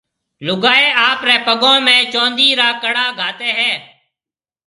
لوگائيَ آپريَ پگون ۾ چوندِي را ڪڙا گھاتيَ ھيََََ